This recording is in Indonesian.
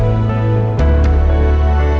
jangan kulahki diri sh perform